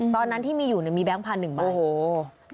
ตอนนั้นที่มีอยู่มีแบงค์พันธุ์๑ใบ